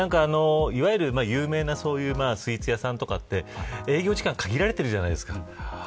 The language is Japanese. いわゆる有名なスイーツ屋さんとかって営業時間限られてるじゃないですか。